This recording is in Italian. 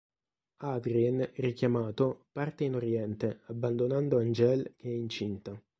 Adrien, richiamato parte in Oriente abbandonando Angèle che è incinta.